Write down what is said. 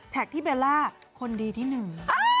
ที่เบลล่าคนดีที่หนึ่ง